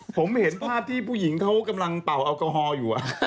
ผมเห็นภาพที่ผู้หญิงเขากำลังเป่าแอลกอฮอลอยู่